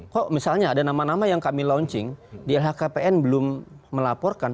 kok misalnya ada nama nama yang kami launching di lhkpn belum melaporkan